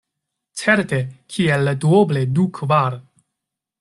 Certe, kiel duoble du kvar.